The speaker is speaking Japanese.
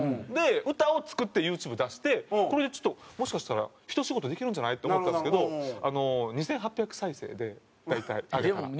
歌を作ってユーチューブ出してこれでちょっともしかしたらひと仕事できるんじゃない？って思ったんですけど２８００再生で大体上げたら。